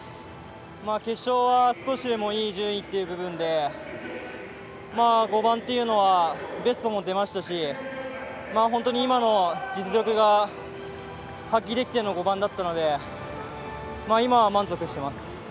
決勝は少しでもいい順位っていう部分で５番っていうのはベストも出ましたし本当に今の実力が発揮できての５番だったので今は満足しています。